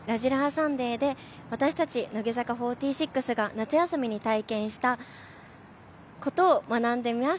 サンデーで私たち乃木坂４６が夏休みに体験したことを学んでいます。